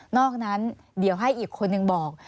อกนั้นเดี๋ยวให้อีกคนนึงบอก